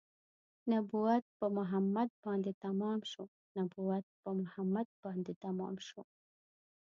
نبوت په محمد باندې تمام شو نبوت په محمد باندې تمام شو